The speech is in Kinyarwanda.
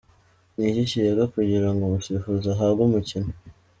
Ni iki kirebwa kugira ngo umusifuzi ahabwe umukino?.